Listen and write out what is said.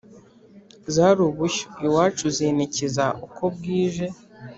Zari ubushyo iwacu Zinikiza uko bwije